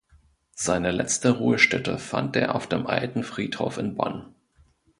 Seine letzte Ruhestätte fand er auf dem Alten Friedhof in Bonn.